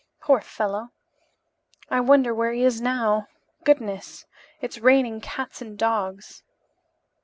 Poor fellow! I wonder where he is now. Goodness, it's raining cats and dogs!"